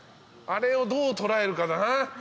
あれをどう捉えるかだな。